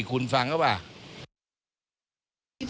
คุณฟังหรือป่ะ